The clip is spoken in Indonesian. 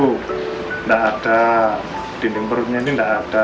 tidak ada dinding perutnya ini tidak ada